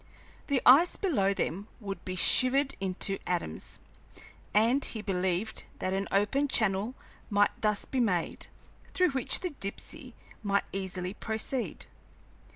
The ice below them would be shivered into atoms, and he believed that an open channel might thus be made, through which the Dipsey might easily proceed.